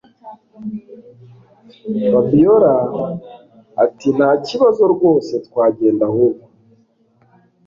Fabiora atintakibazo rwose twagenda ahubwo